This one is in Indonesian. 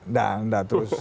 nggak nggak terus